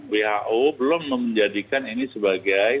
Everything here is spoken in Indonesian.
who belum menjadikan ini sebagai